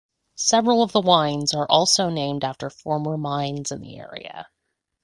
Several of the wines are also named after former mines in the area.